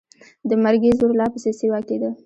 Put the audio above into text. د مرګي زور لا پسې سیوا کېده.